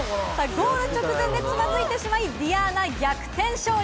ゴール直前でつまずいてしまいディアーナ逆転勝利！